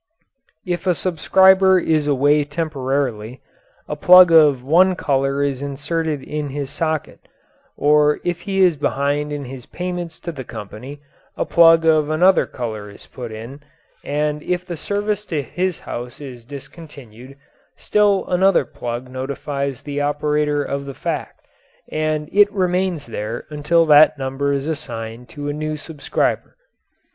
If a subscriber is away temporarily, a plug of one colour is inserted in his socket, or if he is behind in his payments to the company a plug of another colour is put in, and if the service to his house is discontinued still another plug notifies the operator of the fact, and it remains there until that number is assigned to a new subscriber.